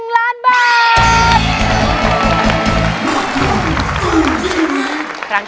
๑ล้านบาท